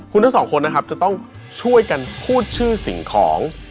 คุณทั้งสองคนนะครับจะต้องช่วยกันพูดชื่อสิ่งของ